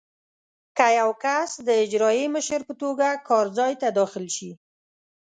که یو کس د اجرایي مشر په توګه کار ځای ته داخل شي.